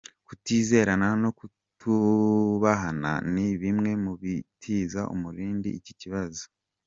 Kutizerana no kutubahana ni bimwe mu bitiza umurindi iki kibazo.